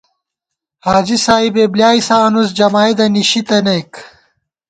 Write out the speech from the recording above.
حاجی سائبےبۡلیائیسہ آنُس جمائیدہ نِشی تَنَئیک